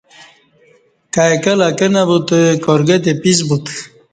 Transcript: کای کہ لکہ نہ بوتہ کار گہ تے پیس بوتہ